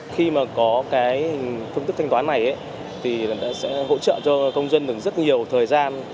khi mà có cái hình thức thanh toán này thì sẽ hỗ trợ cho công dân được rất nhiều thời gian